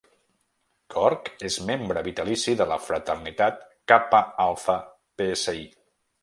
Corke és membre vitalici de la fraternitat Kappa Alpha Psi.